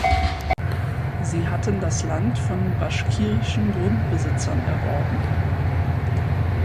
Sie hatten das Land von baschkirischen Grundbesitzern erworben.